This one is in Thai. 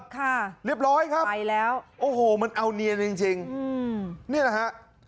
ค่ะเรียบร้อยครับไปแล้วโอ้โหมันเอาเนียนจริงจริงอืมนี่แหละฮะ